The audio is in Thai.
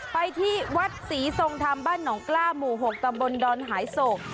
ไปที่วัดศรีทรงธรรมบ้านหนองกล้าหมู่๖ตำบลดอนหายโศก